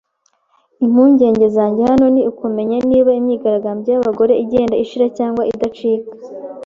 Impungenge zanjye hano ni ukumenya niba imyigaragambyo y'abagore igenda ishira cyangwa idacika.